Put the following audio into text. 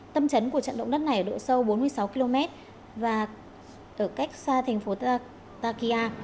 tâm trấn của trận động đất này độ sâu bốn mươi sáu km và ở cách xa thành phố takia